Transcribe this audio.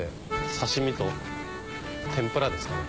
刺し身と天ぷらですかね。